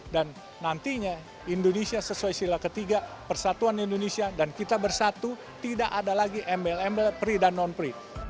dan nantinya indonesia sesuai sila ketiga persatuan indonesia dan kita bersatu tidak ada lagi mbl mbl pri dan non pri